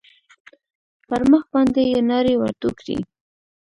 پر مخ باندې يې ناړې ورتو کړې.